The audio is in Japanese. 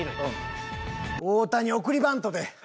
大谷送りバントで。